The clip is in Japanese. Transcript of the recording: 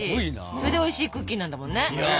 それでおいしいクッキーなんだもんね。